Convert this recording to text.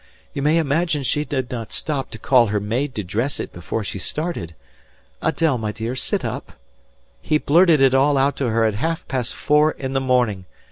You may imagine she did not stop to call her maid to dress it before she started.... Adèle, my dear, sit up.... He blurted it all out to her at half past four in the morning.